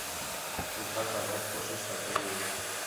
تُو گھٹ آ گھٹ کوشش تا کَئی ہے